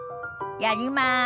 やります。